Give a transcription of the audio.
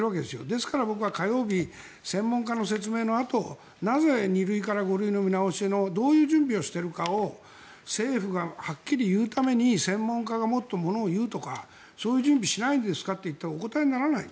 ですから、僕は火曜日に専門家の説明のあとなぜ、２類から５類への見直しのどういう準備をしているかを政府がはっきり言うために専門家がもっとものをいうとかそういう準備をしないんですかと言ったらお答えにならない。